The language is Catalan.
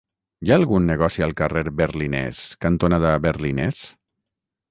Hi ha algun negoci al carrer Berlinès cantonada Berlinès?